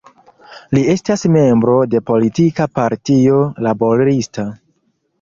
Li estas membro de politika partio laborista.